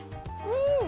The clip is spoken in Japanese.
うん！